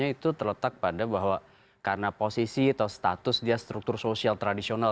itu terletak pada bahwa karena posisi atau status dia struktur sosial tradisional